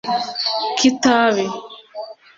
Kitabi